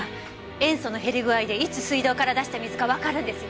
塩素の減り具合でいつ水道から出した水かわかるんですよね？